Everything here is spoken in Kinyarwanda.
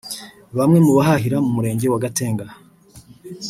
Bamwe mu bahahira mu Murenge wa Gitega